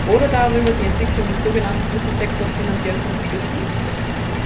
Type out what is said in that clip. Oder darüber, die Entwicklung des so genannten dritten Sektors finanziell zu unterstützen?